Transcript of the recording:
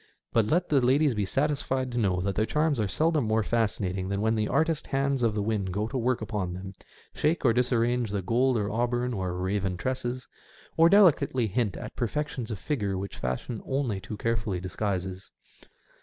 But let the ladies be satisfied to know that their charms are seldom more fascinating than when the artist hands of the winds go to work upon them, shake or disarrange the gold or auburn or raven tresses, or delicately hint at perfections of figure which fashion only too carefully disguises.